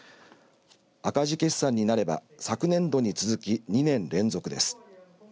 赤字決算になれば、昨年度に続き２年連続です。